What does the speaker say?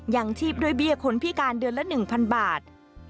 ยังชีพด้วยเบี้ยคนพิการเดือนละ๑๐๐บาท